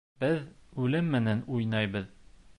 Беҙ үлем менән уйнайбыҙ.